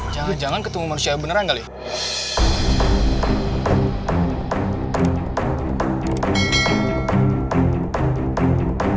jangan jangan ketemu manusia yang beneran kali ya